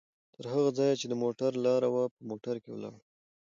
تر هغه ځایه چې د موټر لاره وه، په موټر کې ولاړو؛